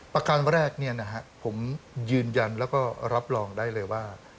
ประการแรกผมยืนยันแล้วก็รับรองได้เลยว่า